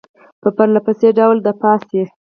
په پرله پسې ډول دفع شي.